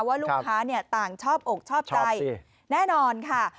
ว่าลูกค้าต่างชอบอกชอบใจแน่นอนค่ะ